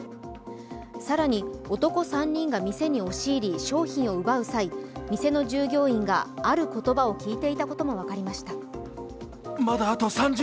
更に、男３人が店に押し入り商品を奪う際店の従業員が、ある言葉を聞いていたことも分かりました。